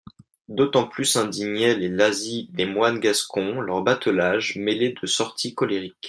D'autant plus indignaient les lazzi des moines gascons, leur batelage, mêlé de sorties colériques.